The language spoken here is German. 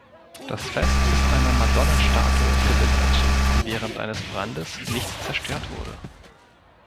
Das Fest ist einer Madonnenstatue gewidmet, die während eines Brandes nicht zerstört wurde.